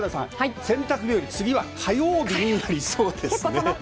洗濯日和は次は火曜日になりそうです。